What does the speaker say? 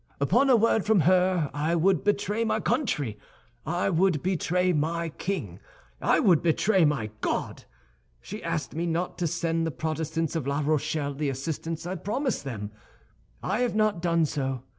Upon a word from her, I would betray my country, I would betray my king, I would betray my God. She asked me not to send the Protestants of La Rochelle the assistance I promised them; I have not done so.